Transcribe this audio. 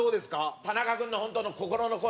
田中君の本当の心の声